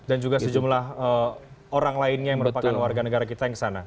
dan juga sejumlah orang lainnya yang merupakan warga negara kita yang ke sana